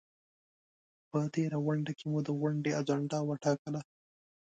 په تېره غونډه کې مو د غونډې اجنډا وټاکله؟